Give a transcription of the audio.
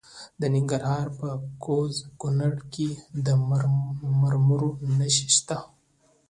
د ننګرهار په کوز کونړ کې د مرمرو نښې شته.